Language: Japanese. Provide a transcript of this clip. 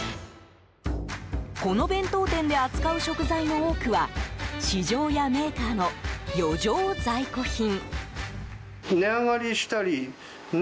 この弁当店で扱う食材の多くは市場やメーカーの余剰在庫品。